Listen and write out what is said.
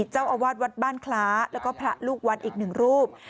เจ้าอาวาสวัดบ้านคล้าแล้วก็พระลูกวัดอีกหนึ่งรูป